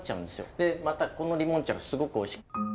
でまたこのリモンチェッロすごくおいしい。